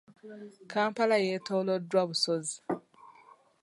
Kampala yeetooloddwa busozi.